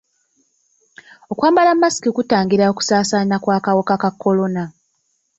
Okwambala masiki kutangira okusaasaana kw'akawuka ka kolona?